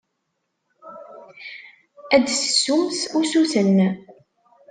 Ad d-tessumt usuten.